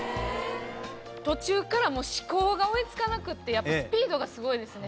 途中からもう思考が追いつかなくってやっぱスピードがすごいですね。